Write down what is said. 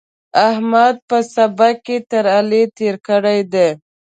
احمد په سبق کې تر علي تېری کړی دی.